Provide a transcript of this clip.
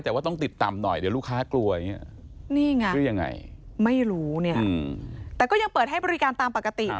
แต่ว่าต้องติดต่ำหน่อยเดียวลูคค้ากลัว